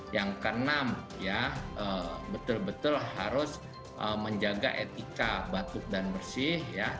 yang keenam betul betul harus menjaga etika batuk dan bersih